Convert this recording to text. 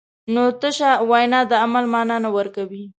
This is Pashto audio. نو تشه وینا د عمل مانا نه ورکوي.